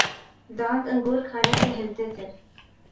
دانت انگور کھانے سے ہلتے تھے